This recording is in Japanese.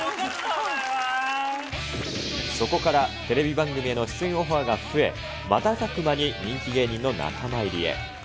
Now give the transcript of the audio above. そこからテレビ番組への出演オファーが増え、瞬く間に人気芸人の仲間入りへ。